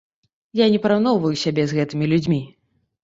Я не параўноўваю сябе з гэтымі людзьмі.